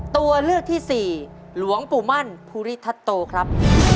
ตัวเลือกที่สี่หลวงปู่มั่นภูริทัศโตครับ